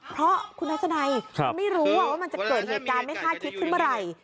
เพราะคุณทัศนัยไม่รู้ว่ามันจะเกิดเหตุการณ์ไม่คาดคิดขึ้นเมื่อไหร่